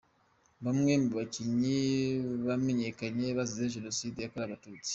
Bamwe mu bakinnyi bamenyekanye bazize Jenoside yakorewe Abatutsi.